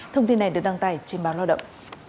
thông tin này được đăng tải trên báo lao động